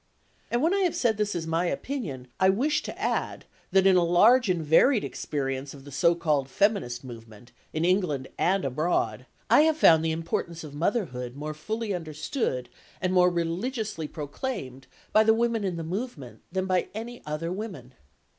And when I have said this is my opinion, I wish to add that in a large and varied experience of the so called feminist movement, in England and abroad, I have found the importance of motherhood more fully understood and more religiously proclaimed by the women in the movement than by any other women.